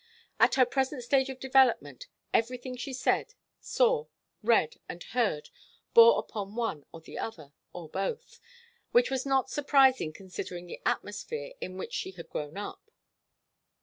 At her present stage of development everything she did, saw, read and heard bore upon one or the other, or both, which was not surprising considering the atmosphere in which she had grown up.